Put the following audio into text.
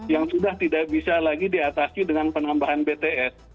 yang sudah tidak bisa lagi diatasi dengan penambahan bts